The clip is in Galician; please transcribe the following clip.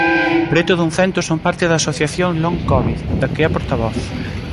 Preto dun cento son parte da asociación Long Covid, da que é portavoz.